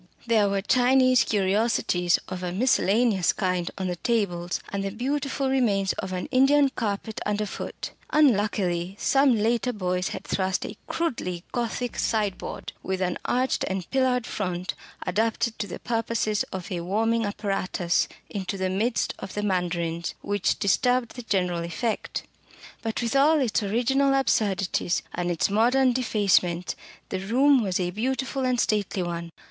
There were Chinese curiosities of a miscellaneous kind on the tables, and the beautiful remains of an Indian carpet underfoot. Unluckily, some later Boyce had thrust a crudely Gothic sideboard, with an arched and pillared front, adapted to the purposes of a warming apparatus, into the midst of the mandarins, which disturbed the general effect. But with all its original absurdities, and its modern defacements, the room was a beautiful and stately one.